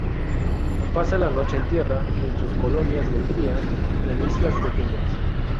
Pasa la noche en tierra, en sus colonias de cría, en islas pequeñas.